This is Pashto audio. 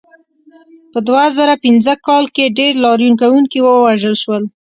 په دوه زره پنځه کال کې ډېر لاریون کوونکي ووژل شول.